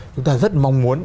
chúng ta rất mong muốn